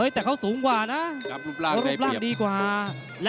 แต่เขามันนี่สูงกว่านะ